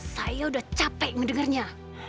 saya udah capek mendengarnya